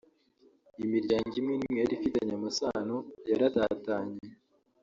Imiryango imwe n’imwe yarifitanye amasano yaratatanye